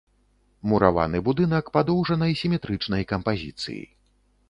Мураваны будынак падоўжанай сіметрычнай кампазіцыі.